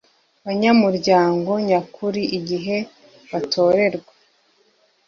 banyamuryango nyakuri igihe batorerwa